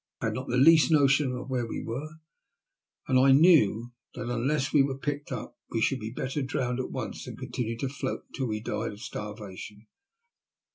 I had not the least notion of where we were, and I knew that unless we were picked up we should be better drowned at once than continue to float until we died of starvation.